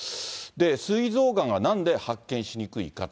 すい臓がんがなんで発見しにくいかと。